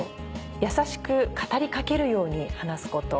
優しく語りかけるように話すこと。